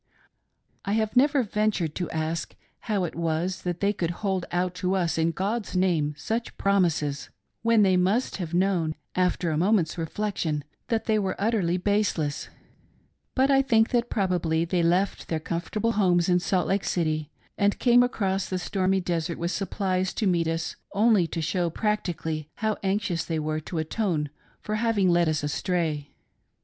I have never ventured to ask how it was that they could hold out to us in God's name such promises, when they must have known, after a moment's reflection, that they were utterly baseless, but I think that probably they left their comfortable homes in Salt Lake City and came across the stormy desert with supplies to meet us, only to show practically how anxious they were to atone for having led us astray.